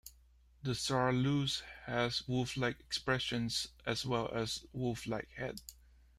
The Saarloos has wolf-like expressions, as well as a wolf-like head.